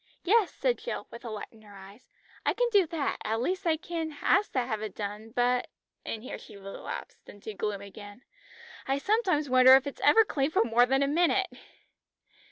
"Yes," said Jill, with a light in her eyes; "I can do that, at least I can ask to have it done, but " and here she relapsed into gloom again. "I sometimes wonder if it is ever clean for more than a minute!"